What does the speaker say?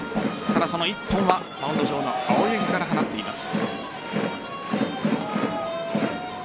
ただ、その１本はマウンド上の青柳から放っています。